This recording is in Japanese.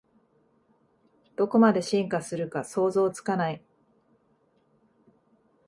どこまで進化するか想像つかない